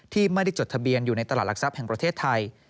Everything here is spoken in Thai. ที่ไม่ได้จดทะเบียนอยู่ในตลาดหลักทรัพย์แห่งประเทศไทย